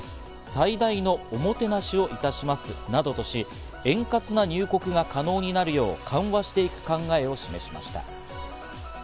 最大のおもてなしをいたしますなどとし、円滑な入国が可能になるよう緩和していく考えを示しました。